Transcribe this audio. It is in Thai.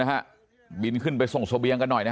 ได้ครับได้ครับสะเก็บได้ครับสะเก็บได้สะเก็บได้สะเก็บได้